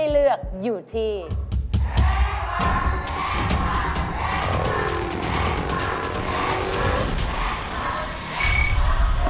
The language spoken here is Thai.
อยากตอบเลยไหม